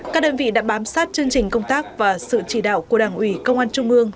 các đơn vị đã bám sát chương trình công tác và sự chỉ đạo của đảng ủy công an trung ương